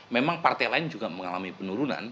memang partai lain juga mengalami penurunan